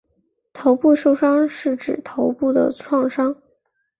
头部受伤是指头部的创伤。